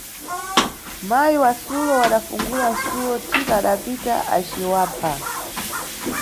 Mayi wasulo wadafungula suwo, thika adapita aciwapha.